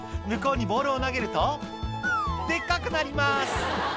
「向こうにボールを投げるとデッカくなります」